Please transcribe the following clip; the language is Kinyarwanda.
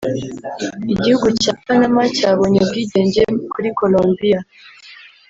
Igihugu cya Panama cyabonye ubwigenge kuri Colombiya